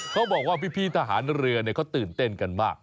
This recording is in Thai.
เขาบอกว่าพี่ทหารเรือเขาตื่นเต้นกันมาก